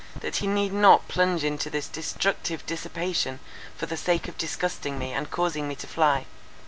That he need not plunge into this destructive dissipation for the sake of disgusting me, and causing me to fly.